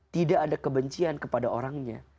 tidak ada kebencian kepada orangnya